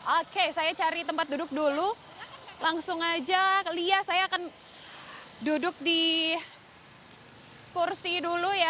oke saya cari tempat duduk dulu langsung aja lihat saya akan duduk di kursi dulu ya